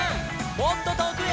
「もっととおくへ」